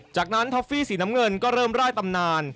จากนั้นท็อฟฟี่สีน้ำเงินก็เริ่มร่ายตำนาน